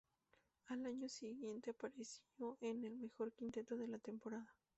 Al año siguiente apareció en el mejor quinteto de la temporada.